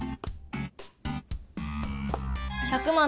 １００万